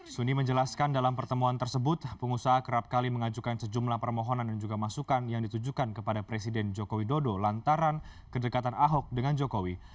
suni menjelaskan dalam pertemuan tersebut pengusaha kerap kali mengajukan sejumlah permohonan dan juga masukan yang ditujukan kepada presiden joko widodo lantaran kedekatan ahok dengan jokowi